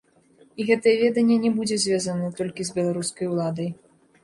І гэтае веданне не будзе звязана толькі з беларускай уладай.